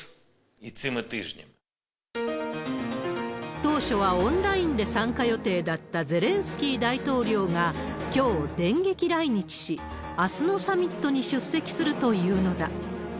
当初はオンラインで参加予定だったゼレンスキー大統領が、きょう電撃来日し、あすのサミットに出席するというのだ。